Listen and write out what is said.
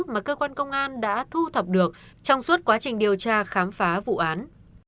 mà cơ quan công an đã thu thập được trong suốt quá trình điều tra khám phá vụ án